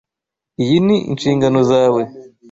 Iyo ni inshingano zawe.